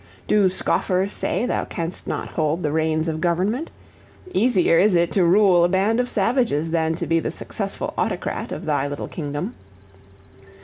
Do scoffers say thou canst not hold the reins of government? Easier is it to rule a band of savages than to be the successful autocrat of thy little kingdom.